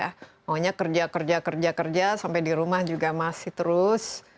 maunya kerja kerja kerja kerja sampai di rumah juga masih terus